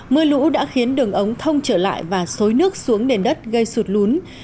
mưa lũ đã khiến đường ống thông trở lại và xối nước xuống nền đất gây sụt lún